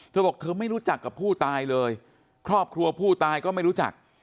เธอบอกเธอไม่รู้จักกับผู้ตายเลยครอบครัวผู้ตายก็ไม่รู้จัก